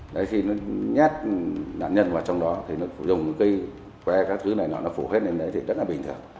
đấy khi nó nhát nạn nhân vào trong đó thì nó dùng cây que các thứ này nó phủ hết lên đấy thì rất là bình thường